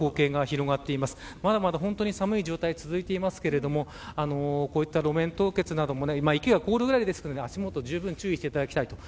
まだまだ寒い状態が続いていますけれどもこういった路面凍結なども池が凍るくらいですから足元に注意していただきたい。